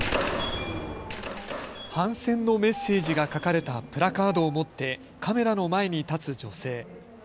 反戦のメッセージが書かれたプラカードを持ってカメラの前に立つ女性。